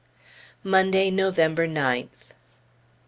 Monday, November 9th.